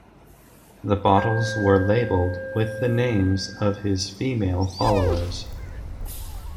The bottles were labeled with the names of his female followers.